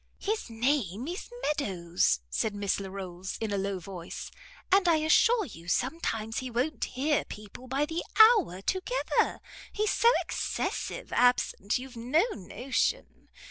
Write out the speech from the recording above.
"His name is Meadows," said Miss Larolles, in a low voice, "and I assure you sometimes he won't hear people by the hour together. He's so excessive absent you've no notion.